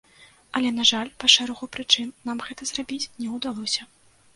Але, на жаль, па шэрагу прычын нам гэта зрабіць не ўдалося.